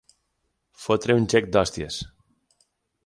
Fotre un gec d'hòsties.